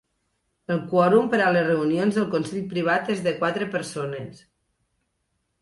El quòrum per a les reunions del consell privat és de quatre persones.